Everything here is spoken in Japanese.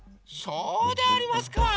そうでありますか。